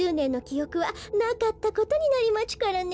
おくはなかったことになりまちゅからね。